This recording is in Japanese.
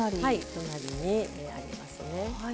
隣にありますね。